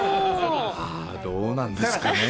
どうなんですかねえ。